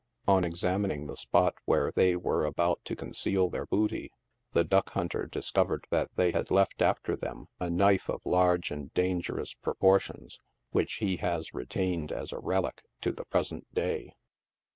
On ex amining the spot where they were about to conceal their booty, the duck hunter discovered that they had left after them a knife of large and dangerous proportions, which he has retained as a relic to the present day.